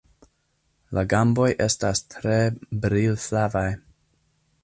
La gamboj estas tre brilflavaj.